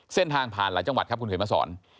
เส้นทางผ่านหลายจังหวัดครับคุณเขียนมาสอน